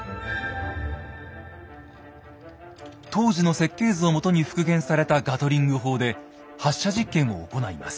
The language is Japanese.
当時の設計図をもとに復元されたガトリング砲で発射実験を行います。